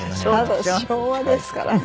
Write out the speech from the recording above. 昭和ですからね。